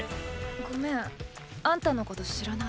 ごめんあんたのこと知らない。